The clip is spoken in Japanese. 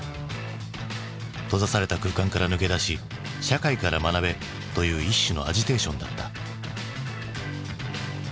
閉ざされた空間から抜け出し社会から学べという一種のアジテーションだった。